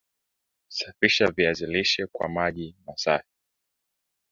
Safisha viazi lishe kwa maji masafi